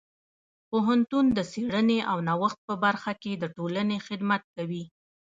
پوهنتون د څیړنې او نوښت په برخه کې د ټولنې خدمت کوي.